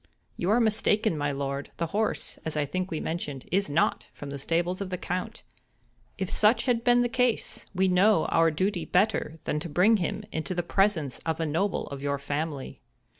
"You are mistaken, my lord; the horse, as I think we mentioned, is not from the stables of the Count. If such had been the case, we know our duty better than to bring him into the presence of a noble of your family."